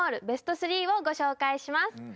ベスト３をご紹介します